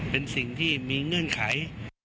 เป็นสิ่งที่มีเงื่อนไข